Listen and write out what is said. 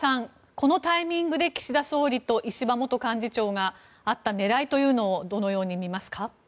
このタイミングで岸田総理と石破元幹事長が会った狙いはどのように見ますか？